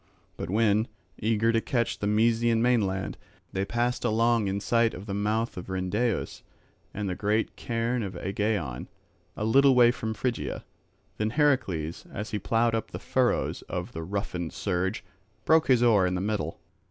But when, eager to reach the Mysian mainland, they passed along in sight of the mouth of Rhyndaeus and the great cairn of Aegaeon, a little way from Phrygia, then Heracles, as he ploughed up the furrows of the roughened surge, broke his oar in the middle.